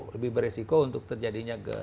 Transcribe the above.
lebih beresiko untuk terjadinya